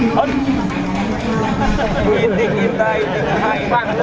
พระเจ้าข้าว